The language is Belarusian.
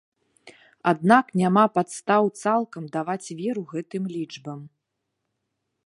Аднак няма падставаў цалкам даваць веру гэтым лічбам.